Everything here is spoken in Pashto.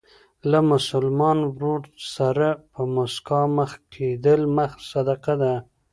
له مسلمان ورور سره په مسکا مخ کېدل صدقه ده.